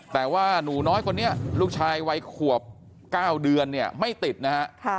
แต่ว่าหนูน้อยคนนี้ลูกชายวัยขวบ๙เดือนเนี่ยไม่ติดนะฮะ